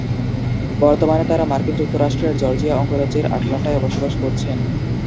বর্তমানে তারা মার্কিন যুক্তরাষ্ট্রের জর্জিয়া অঙ্গরাজ্যের আটলান্টায় বসবাস করছেন।